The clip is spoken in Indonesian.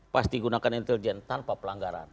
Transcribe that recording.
pasti gunakan intelijen tanpa pelanggaran